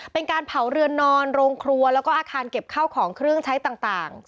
เป็นการเผาเรือนนอนโรงครัวแล้วก็อาคารเก็บข้าวของเครื่องใช้ต่าง